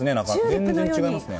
全然違いますね。